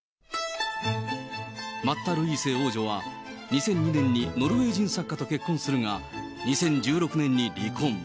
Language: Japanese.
マッタ・ルイーセ王女は、２００２年にノルウェー人作家と結婚するが、２０１６年に離婚。